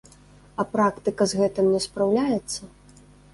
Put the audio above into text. А практыка з гэтым не спраўляецца?